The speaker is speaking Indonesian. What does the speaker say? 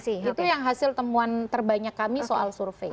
itu yang hasil temuan terbanyak kami soal survei